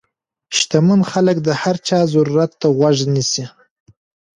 شتمن خلک د هر چا ضرورت ته غوږ نیسي.